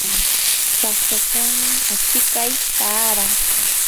paqchachawmi achikay taaran.